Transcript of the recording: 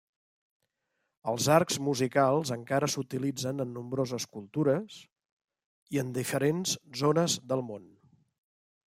Els arcs musicals encara s'utilitzen en nombroses cultures, i en diferents zones del món.